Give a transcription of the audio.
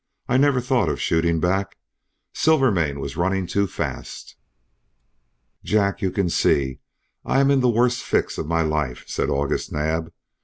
I never thought of shooting back. Silvermane was running too fast." "Jack, you can see I am in the worst fix of my life," said August Naab.